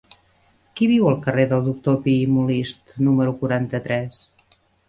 Qui viu al carrer del Doctor Pi i Molist número quaranta-tres?